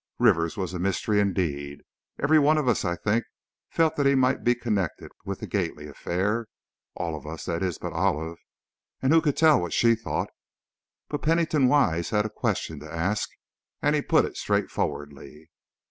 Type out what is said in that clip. Rivers was a mystery, indeed. Every one of us, I think, felt that he might be connected with the Gately affair. All of us, that is, but Olive, and who could tell what she thought? But Pennington Wise had a question to ask, and he put it straightforwardly.